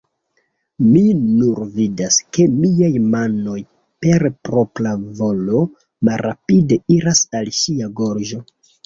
Mi nur vidas, ke miaj manoj, per propra volo, malrapide iras al ŝia gorĝo...